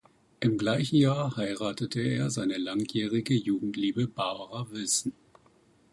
Im gleichen Jahr heiratete er seine langjährige Jugendliebe Barbara Wilson.